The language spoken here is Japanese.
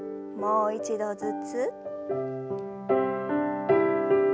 もう一度ずつ。